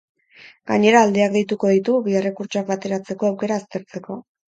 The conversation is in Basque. Gainera, aldeak deituko ditu, bi errekurtsoak bateratzeko aukera aztertzeko.